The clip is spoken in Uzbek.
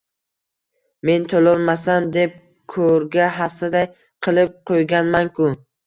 Men to‘lolmasam deb ko‘rga hassaday qilib qo‘yganman-ku.